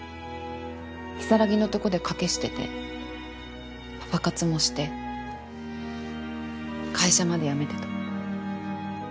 如月のとこで掛けしててパパ活もして会社まで辞めてた。